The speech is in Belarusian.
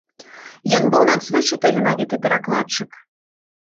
Ён быў надзвычай таленавіты перакладчык.